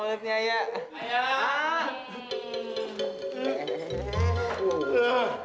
aku pernah nangka nunggu